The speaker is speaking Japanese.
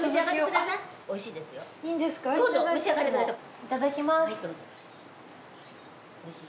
いただきます。